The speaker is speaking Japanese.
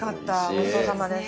ごちそうさまです。